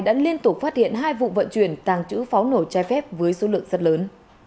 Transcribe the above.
đã liên tục phát hiện hai vụ vận chuyển tàng trữ pháo nổ chai phép với số lượng rất lớn